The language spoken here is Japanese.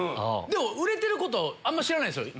でも売れてることあんま知らないんですよ。